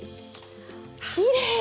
きれい！